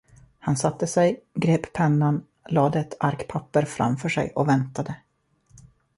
Han satte sig, grep pennan, lade ett ark papper framför sig och väntade.